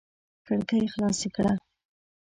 کړکۍ خلاصې کړه!